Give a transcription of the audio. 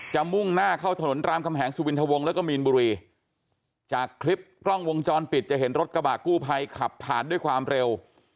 มุ่งหน้าเข้าถนนรามคำแหงสุวินทวงแล้วก็มีนบุรีจากคลิปกล้องวงจรปิดจะเห็นรถกระบะกู้ภัยขับผ่านด้วยความเร็ว